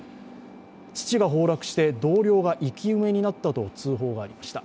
土が崩落して、同僚が生き埋めになったと通報がありました。